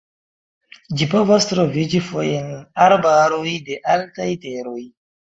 Ĝi povas troviĝi foje en arbaroj de altaj teroj.